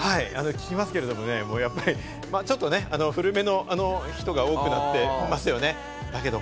聴きますけど、ちょっと古めの人が多くなってますよね。